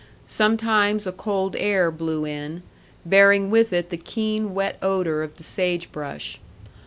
Sometimes a cold air blew in, bearing with it the keen wet odor of the sage brush.